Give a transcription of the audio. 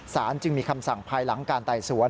จึงมีคำสั่งภายหลังการไต่สวน